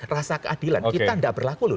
rasa keadilan kita tidak berlaku loh